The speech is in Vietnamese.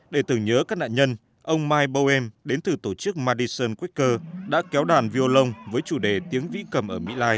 để tưởng nhớ các nạn nhân ông mike bowen đến từ tổ chức madison quaker đã kéo đàn viô lông với chủ đề tiếng vĩ cầm ở mỹ lai